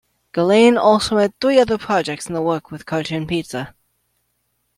Gullane also had three other projects in the works with Cartoon Pizza.